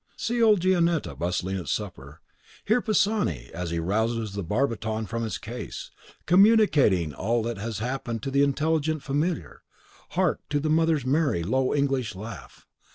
see old Gionetta bustling at the supper; and hear Pisani, as he rouses the barbiton from its case, communicating all that has happened to the intelligent Familiar; hark to the mother's merry, low, English laugh.